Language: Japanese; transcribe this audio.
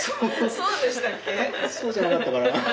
そうじゃなかったかな？